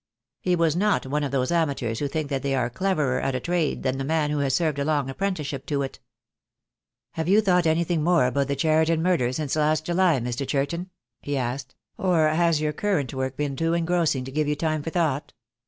He was not one of those amateurs who think that they are cleverer at a trade than the man who has served a long apprenticeship to it. "Have you thought anything more about the Cheriton murder since last July, Mr. Churton?" he asked; "or has your current work been too engrossing to give you time for thought?"